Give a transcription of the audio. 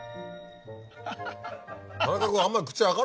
田中君。